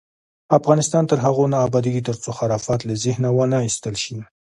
افغانستان تر هغو نه ابادیږي، ترڅو خرافات له ذهنه ونه ایستل شي.